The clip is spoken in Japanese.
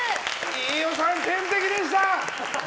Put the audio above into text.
飯尾さん、天敵でした！